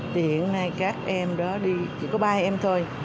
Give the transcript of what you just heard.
thì hiện nay các em đó đi chỉ có ba em thôi